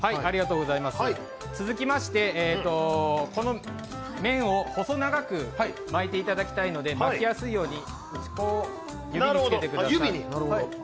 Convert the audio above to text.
続きまして、この麺を細長く巻いていただきたいので、巻きやすいように打ち粉を指につけてください。